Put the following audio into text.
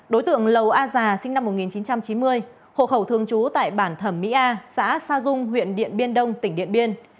đối tượng lầu a già sinh năm một nghìn chín trăm chín mươi hộ khẩu thường trú tại bản thẩm mỹ a xã sa dung huyện điện biên đông tỉnh điện biên